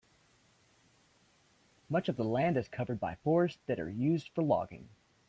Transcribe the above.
Much of the land is covered by forests that are used for logging.